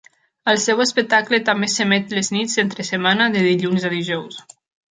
El seu espectacle també s"emet les nits entre setmana, de dilluns a dijous.